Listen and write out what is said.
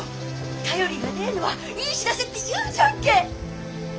「便りがねえのはいい知らせ」っていうじゃんけ！